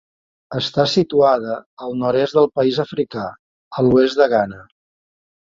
Està situada al nord-est del país africà, a l'oest de Ghana.